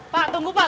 pak tunggu pak